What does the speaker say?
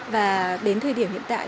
và đến thời điểm hiện tại